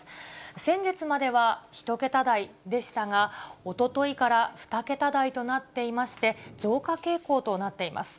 先月までは１桁台でしたが、おとといから２桁台となっていまして、増加傾向となっています。